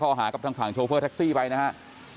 หากับทางฝั่งโชเฟอร์แท็กซี่ไปนะครับ